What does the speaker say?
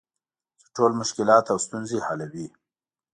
چې ټول مشکلات او ستونزې حلوي .